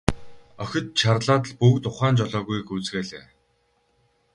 Охид чарлаад л бүгд ухаан жолоогүй гүйцгээлээ.